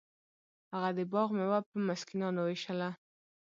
هغه د باغ میوه په مسکینانو ویشله.